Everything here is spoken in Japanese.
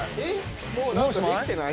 もうできてない？